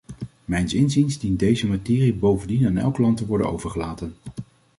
Mijns inziens dient deze materie bovendien aan elk land te worden overgelaten.